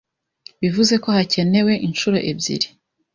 Bivuze ko hacyenewe inshuro ebyiri